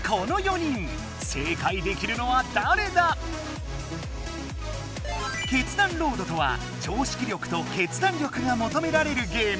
正解できるのはだれだ⁉決断ロードとは常識力と決断力がもとめられるゲーム。